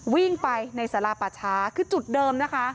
วิ่งไปในสาราป่าช้าคือจุดเดิมนะคะ